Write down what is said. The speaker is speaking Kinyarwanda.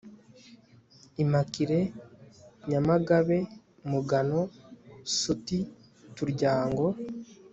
Immaculee Nyamagabe Mugano Suti Turyango